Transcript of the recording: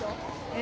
え？